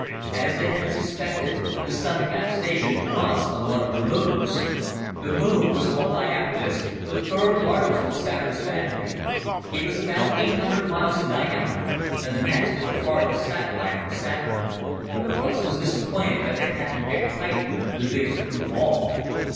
As they had suspected, the Sun tap station was on one of the moons. The moon was called Iapetus, the third largest of Saturn's family. It was about eight hundred miles in diameter and the next to the farthest satellite from Saturn. Russ was disappointed that they hadn't picked Titan, the biggest moon of all.